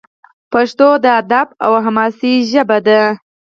پښتو د ادب او حماسې ژبه ده.